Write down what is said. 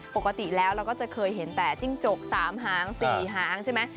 ปกติแล้วเราก็จะเคยเห็นแต่จิ้งจก๓หาง๔หางใช่ไหม